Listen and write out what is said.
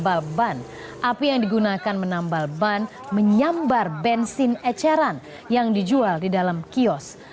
api yang digunakan menambal ban menyambar bensin eceran yang dijual di dalam kios